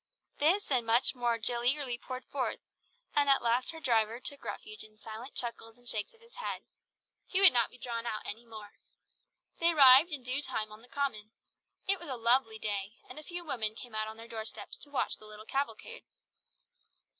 This and much more Jill eagerly poured forth, and at last her driver took refuge in silent chuckles and shakes of his head. He would not be drawn out any more. They arrived in due time on the Common. It was a lovely day, and a few women came out on their doorsteps to watch the little cavalcade.